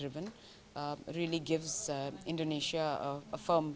benar benar memberikan indonesia standar